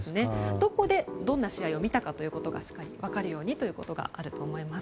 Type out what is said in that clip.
どこでどんな試合を見たか分かるようにということだと思います。